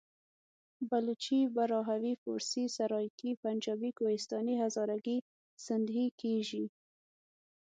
پښتو، بلوچي، براهوي، فارسي، سرایکي، پنجابي، کوهستاني، هزارګي، سندهي..ویل کېژي.